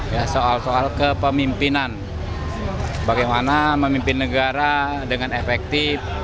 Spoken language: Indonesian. ya soal soal kepemimpinan bagaimana memimpin negara dengan efektif